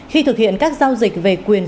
khi thực hiện các giao dịch về quyền